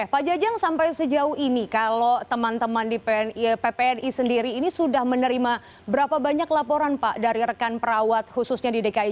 pak jajang sampai sejauh ini kalau teman teman di ppni sendiri ini sudah menerima berapa banyak laporan pak dari rekan perawat khususnya di dki jakarta